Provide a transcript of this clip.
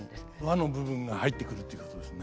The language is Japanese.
和の部分が入ってくるっていうことになりますか。